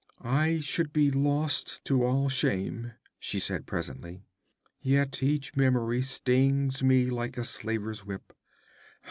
'I should be lost to all shame,' she said presently. 'Yet each memory stings me like a slaver's whip.